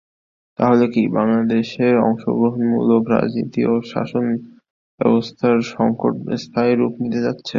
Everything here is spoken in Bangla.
তাহলে কি বাংলাদেশে অংশগ্রহণমূলক রাজনীতি ও শাসনব্যবস্থার সংকট স্থায়ী রূপ নিতে যাচ্ছে?